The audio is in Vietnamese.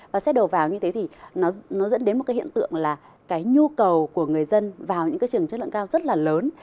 và xét đầu vào như thế thì nó dẫn đến một cái hiện tượng là cái nhu cầu của người dân vào những cái trường chất lượng cao rất là lớn